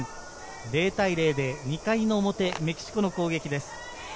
０対０で２回の表、メキシコの攻撃です。